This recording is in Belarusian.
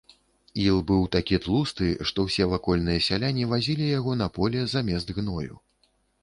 Іл быў такі тлусты, што ўсе вакольныя сяляне вазілі яго на поле замест гною.